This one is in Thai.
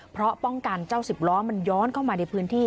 เพราะป้องกันเจ้าสิบล้อมันย้อนเข้ามาในพื้นที่